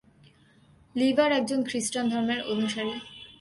Liver একজন খ্রিষ্টান ধর্মের অনুসারী।